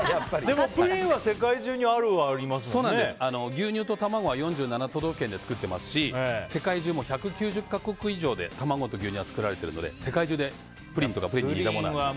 牛乳と卵は４７都道府県で作ってますし世界中も１９０か国以上で卵と牛乳が作られているので世界中でプリンとかプリンに似たものはあります。